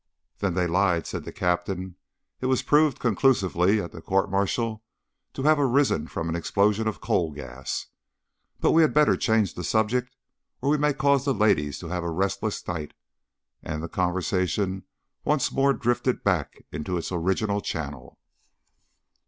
"Then they lied," said the Captain. "It was proved conclusively at the court martial to have arisen from an explosion of coal gas but we had better change the subject, or we may cause the ladies to have a restless night;" and the conversation once more drifted back into its original channel.